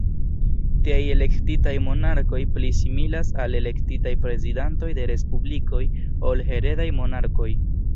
Tiaj elektitaj monarkoj pli similas al elektitaj prezidantoj de respublikoj ol heredaj monarkoj.